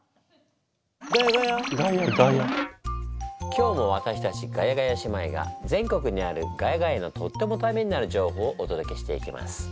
今日もわたしたちガヤガヤ姉妹が全国にある「ヶ谷街」のとってもタメになる情報をおとどけしていきます。